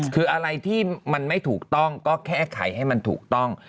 คืออะไรที่มันไม่ถูกต้องก็แค่ไขให้มันถูกต้อง